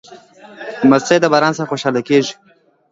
لمسی د باران سره خوشحالېږي.